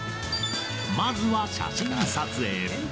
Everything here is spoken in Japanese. まずは写真撮影。